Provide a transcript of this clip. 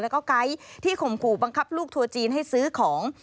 แล้วก็ไก๊ที่ข่มขู่บังคับลูกทัวร์จีนให้ซื้อของ